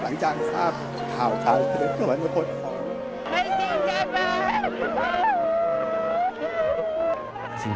หลังจากที่สาบขาวคลานเกอร์เป็นส่วนผลของ